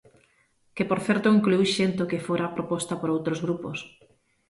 Que, por certo, incluíu xente que fora proposta por outros grupos.